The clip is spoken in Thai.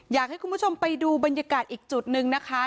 อยากให้คุณผู้ชมไปดูบรรยากาศอีกจุดนึงนะคะ